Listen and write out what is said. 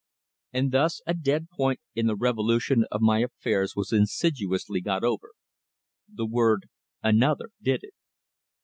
And thus a dead point in the revolution of my affairs was insidiously got over. The word "another" did it.